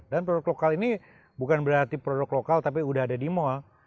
dan produk lokal ini bukan berarti produk lokal tapi udah ada di mall